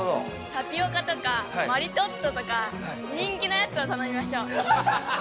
タピオカとかマリトッツォとか人気なやつを頼みましょう。